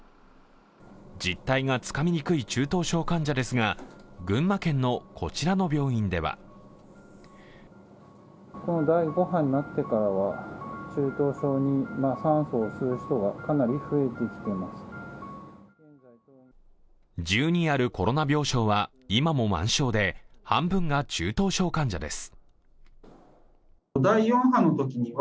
実態がつかみにくい中等症患者ですが群馬県のこちらの病院では１２あるコロナ病床は今も満床で半分が中等症患者です。